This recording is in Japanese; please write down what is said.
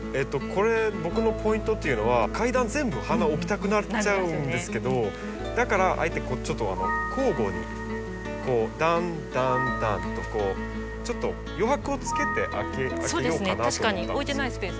これ僕のポイントっていうのは階段全部花置きたくなっちゃうんですけどだからあえてこうちょっと交互にこうだんだんだんとちょっと余白をつけてあけようかなと思ったんです。